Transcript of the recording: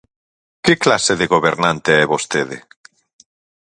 ¿Que clase de gobernante é vostede?